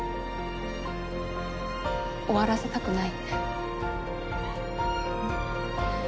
終わらせたくない。